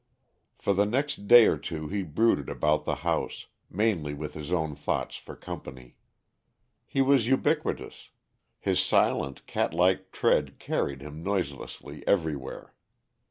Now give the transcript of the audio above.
For the next day or two he brooded about the house, mainly with his own thoughts for company. He was ubiquitous. His silent, cat like tread carried him noiselessly everywhere.